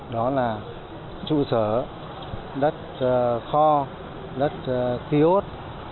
đó là trụ sở đất kho đất tiốt